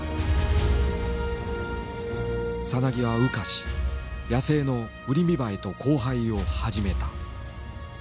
さなぎは羽化し野生のウリミバエと交配を始めた。